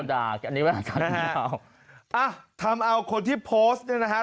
กะดากอันนี้ว่าชันมะนาวอ่ะทำเอาคนที่โพสต์เนี่ยนะคะ